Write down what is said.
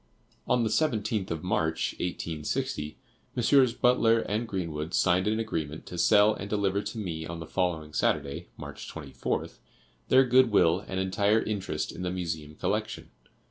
On the 17th of March, 1860, Messrs. Butler & Greenwood signed an agreement to sell and deliver to me on the following Saturday, March 24th, their good will and entire interest in the Museum collection.